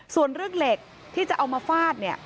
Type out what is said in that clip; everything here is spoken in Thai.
ส่วนเรื่องเหล็กที่จะเอามาฟาดเนี่ย